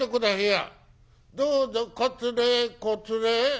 「どうぞこつれへこつれへ」。